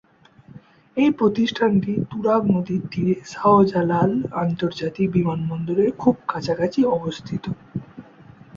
এই প্রতিষ্ঠানটি তুরাগ নদীর তীরে শাহজালাল আন্তর্জাতিক বিমানবন্দরের খুব কাছাকাছি অবস্থিত।